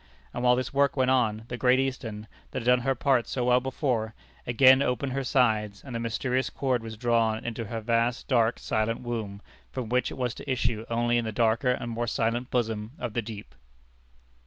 And while this work went on, the Great Eastern, that had done her part so well before, again opened her sides, and the mysterious cord was drawn into her vast, dark, silent womb, from which it was to issue only into the darker and more silent bosom of the deep.